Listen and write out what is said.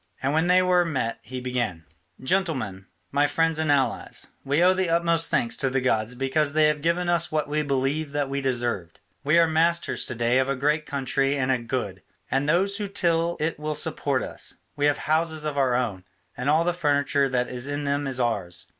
And when they were met he began: "Gentlemen, my friends and allies, we owe the utmost thanks to the gods because they have given us what we believed that we deserved. We are masters to day of a great country and a good; and those who till it will support us; we have houses of our own, and all the furniture that is in them is ours.